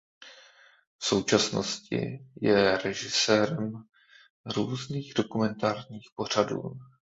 V současnosti je režisérem různých dokumentárních pořadů.